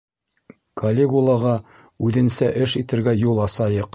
Калигулаға үҙенсә эш итергә юл асайыҡ.